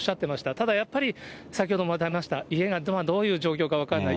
ただやっぱり、先ほども話した、家がどういう状況か分からない。